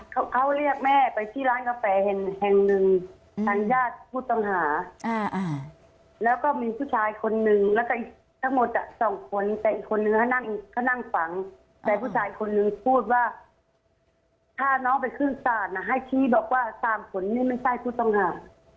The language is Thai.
เขาเรียกแม่ไปที่ร้านกาแฟแห่งหนึ่งทางญาติผู้ต้องหาแล้วก็มีผู้ชายคนนึงแล้วก็อีกทั้งหมดสองคนแต่อีกคนนึงเขานั่งเขานั่งฝังแต่ผู้ชายคนนึงพูดว่าถ้าน้องไปขึ้นศาลให้ชี้บอกว่าสามคนนี้ไม่ใช่ผู้ต้องหา